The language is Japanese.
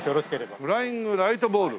「フライングライトボール」